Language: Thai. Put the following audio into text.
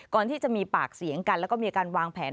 ก่อนที่จะมีปากเสียงกันแล้วก็มีการวางแผน